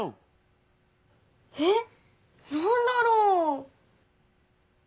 えっなんだろう？